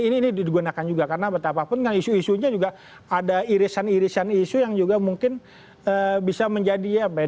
jadi ini digunakan juga karena betapapun isu isunya juga ada irisan irisan isu yang juga mungkin bisa menjadi apa ya